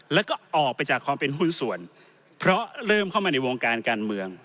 แล้วก็ออกไปจากความเป็นหุ้นส่วนเพราะเริ่มเข้ามาในวงการการเมือง